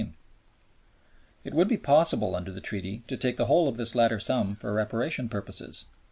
It would be possible under the Treaty to take the whole of this latter sum for Reparation purposes.